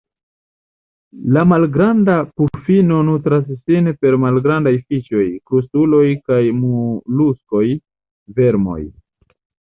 La Malgranda pufino nutras sin per malgrandaj fiŝoj, krustuloj kaj moluskoj, vermoj.